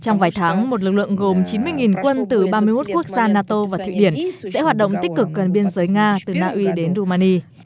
trong vài tháng một lực lượng gồm chín mươi quân từ ba mươi một quốc gia nato và thụy điển sẽ hoạt động tích cực gần biên giới nga từ naui đến rumani